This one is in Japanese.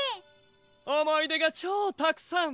おもいでがチョウたくさん！